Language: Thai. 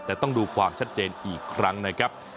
แต่ต้องดูความชัดเจนอีกครั้งนะครับ